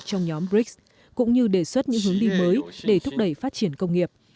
trong nhóm brics cũng như đề xuất những hướng đi mới để thúc đẩy phát triển công nghiệp